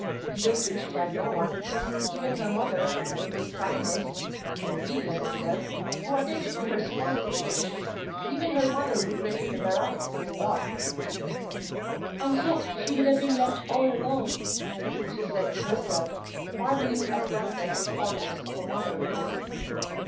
Hitherto she had no one. Even her mother, who was kindness, even obedience itself, who attended to her smallest wish, even her mother regretted the baronet son in law. "And yet she would have been left all alone," she said to herself, marvelling at the unselfish fondness of a mother.